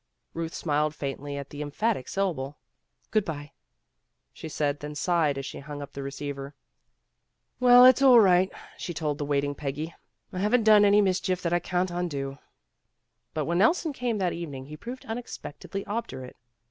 Euth smiled faintly at the emphatic syllable. "Good by," she said, then sighed as she hung up the receiver. "Well, it's all right," she told the waiting Peggy. "I haven't done any mischief that I can 't undo. '' But when Nelson came that evening he proved unexpectedly obdurate.